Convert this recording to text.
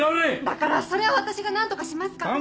だからそれは私が何とかしますから。